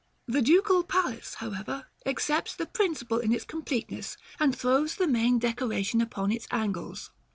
§ XXXII. The Ducal Palace, however, accepts the principle in its completeness, and throws the main decoration upon its angles.